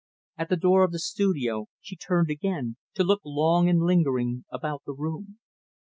At the door of the studio, she turned again, to look long and lingeringly about the room.